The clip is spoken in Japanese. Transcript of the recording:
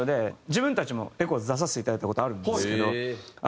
自分たちもＥＣＨＯＥＳ出させていただいた事あるんですけど。